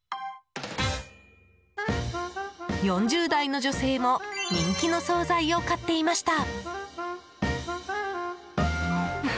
４０代の女性も人気の総菜を買っていました。